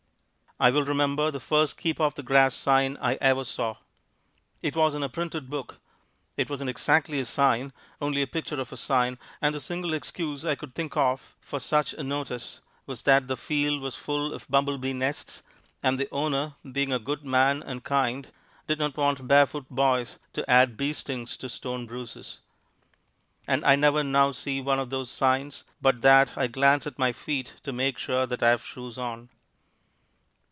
I well remember the first Keep Off the Grass sign I ever saw. It was in a printed book; it wasn't exactly a sign, only a picture of a sign, and the single excuse I could think of for such a notice was that the field was full of bumblebee nests, and the owner, being a good man and kind, did not want barefoot boys to add bee stings to stone bruises. And I never now see one of those signs but that I glance at my feet to make sure that I have shoes on.